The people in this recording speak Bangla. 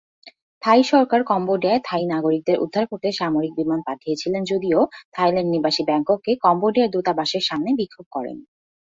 থাই সরকার কম্বোডিয়ায় থাই নাগরিকদের উদ্ধার করতে সামরিক বিমান পাঠিয়েছিল যদিও, থাইল্যান্ড নিবাসী ব্যাংককে কম্বোডিয়ার দূতাবাসের সামনে বিক্ষোভ করেন।